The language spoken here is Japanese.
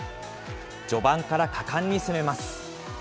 序盤から果敢に攻めます。